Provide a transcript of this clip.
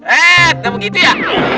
eh udah begitu ya